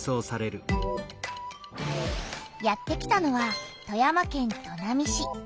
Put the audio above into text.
やって来たのは富山県砺波市。